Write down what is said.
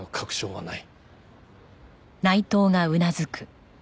はい。